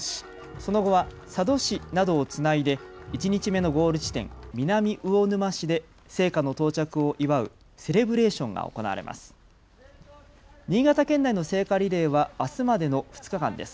その後は佐渡市などをつないで１日目のゴール地点、南魚沼市で聖火の到着を祝うセレブレーションが行われます。